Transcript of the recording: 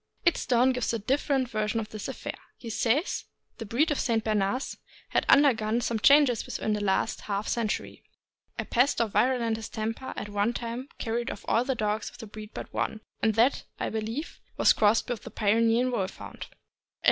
"Idstone" gives a different version of this affair. He says: The breed of St. Bernards has undergone some changes within the last half century. A pest or virulent distemper at one time carried off all the dogs of this breed but one, and that, I believe, was crossed with the Pyrenean Wolf hound.